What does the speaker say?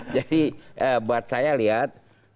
jadi buat saya lihat